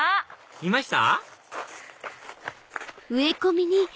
いました。